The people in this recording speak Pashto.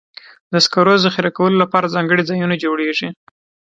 د سکرو ذخیره کولو لپاره ځانګړي ځایونه جوړېږي.